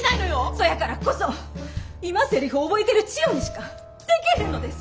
そやからこそ今セリフ覚えてる千代にしかでけへんのです。